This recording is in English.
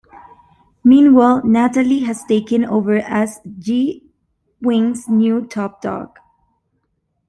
Meanwhile, Natalie has taken over as G-Wing's new Top Dog.